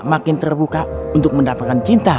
makin terbuka untuk mendapatkan cinta